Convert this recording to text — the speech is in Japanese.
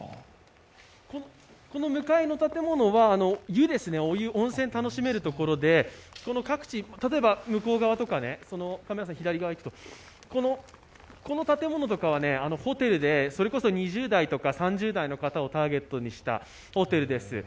この向かいの建物は温泉を楽しめるところで、例えば向こう側とか、左側のこの建物はホテルで、それこそ２０代とか３０代の方をターゲットにしたホテルです。